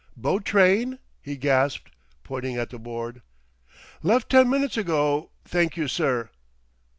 "Boat train?" he gasped, pointing at the board. "Left ten minutes ago, thank you, sir."